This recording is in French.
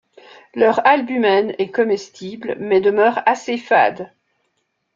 Leur albumen est comestible, mais demeure assez fade.